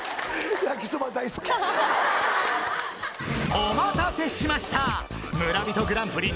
お待たせしました！